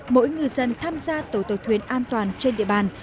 mỗi người dân tham gia tổ tàu thuyền an toàn trên biển